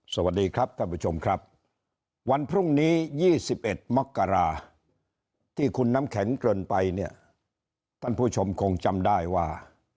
สวัสดีครับท่านผู้ชมครับวันพรุ่งนี้๒๑มกราที่คุณน้ำแข็งเกินไปเนี่ยท่านผู้ชมคงจำได้ว่า